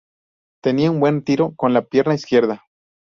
Tenía un buen tiro con la pierna izquierda.